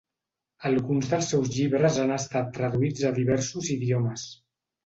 Alguns dels seus llibres han estat traduïts a diversos idiomes.